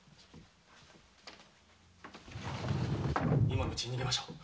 今のうちに逃げましょう。